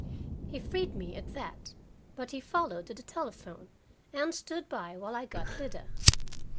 He freed me at that, but he followed to the telephone, and stood by while I got Lida.